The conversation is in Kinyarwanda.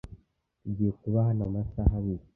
Tugiye kuba hano amasaha abiri.